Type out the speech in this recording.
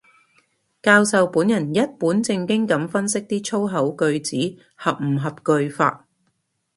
教授本人一本正經噉分析啲粗口句子合唔合句法